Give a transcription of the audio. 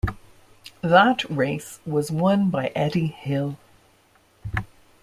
That race was won by Eddie Hill.